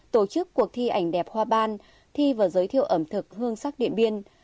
tổ chức cuộc thi ảnh đẹp hoa ban thi và giới thiệu ẩm thực hương sắc điện biên